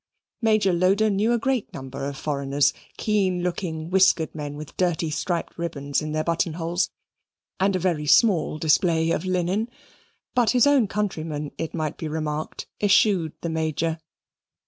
Major Loder knew a great number of foreigners, keen looking whiskered men with dirty striped ribbons in their buttonholes, and a very small display of linen; but his own countrymen, it might be remarked, eschewed the Major.